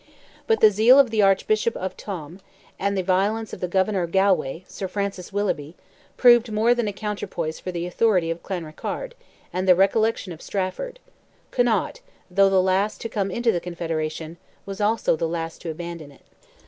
But the zeal of the Archbishop of Tuam, and the violence of the Governor of Galway, Sir Francis Willoughby, proved more than a counterpoise for the authority of Clanrickarde and the recollection of Strafford: Connaught, though the last to come into the Confederation, was also the last to abandon it.